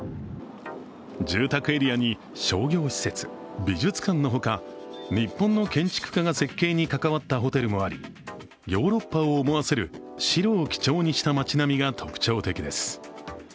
住宅エリアに商業施設、美術館のほか、日本の建築家が設計に関わったホテルもありヨーロッパを思わせる白を基調にした街並みが特徴的です。